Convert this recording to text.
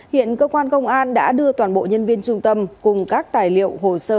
hiện cơ quan công an đã đưa toàn bộ nhân viên trung tâm cùng các tài liệu hồ sơ